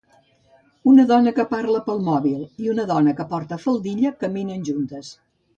Una dona que parla pel mòbil i una dona que porta faldilla caminen juntes.